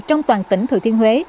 trong toàn tỉnh thừa thiên huế